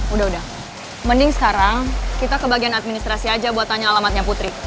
udah udah mending sekarang kita ke bagian administrasi aja buat tanya alamatnya putri